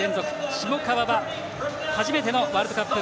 下川は初めてのワールドカップ。